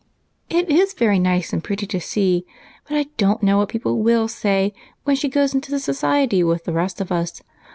"It is very nice and pretty to see, but I don't know what people will say when she goes into society with the rest of us.